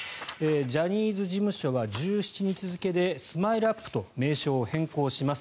ジャニーズ事務所は１７日付でＳＭＩＬＥ−ＵＰ．と名称を変更します。